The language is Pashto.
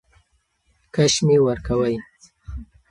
کش مي ورکوی .